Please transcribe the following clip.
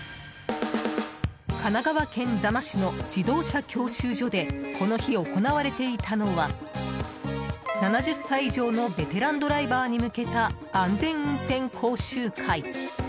神奈川県座間市の自動車教習所でこの日行われていたのは７０歳以上のベテランドライバーに向けた安全運転講習会。